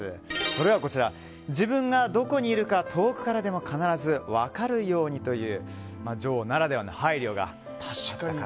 それは自分がどこにいるか遠くからでも必ず分かるようにという女王ならではの配慮がと。